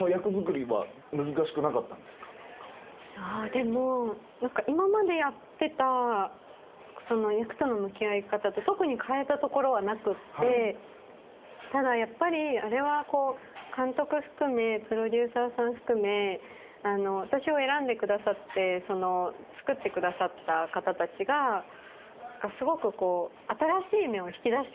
でも今までやってた役との向き合い方と特に変えたところはなくってただやっぱりあれは監督含めプロデューサーさん含め私を選んでくださってつくってくださった方たちがすごく。